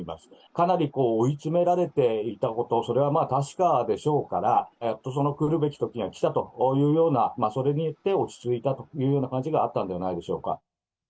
かなりこう、追い詰められていたこと、それはまあ確かでしょうから、やっとその来るべきときが来たというような、それによって落ち着いたという感じがあったんではないでしょうか。